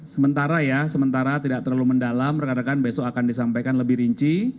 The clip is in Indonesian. sementara ya sementara tidak terlalu mendalam rekan rekan besok akan disampaikan lebih rinci